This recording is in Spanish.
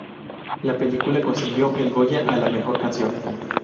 La película consiguió el Goya a la mejor canción.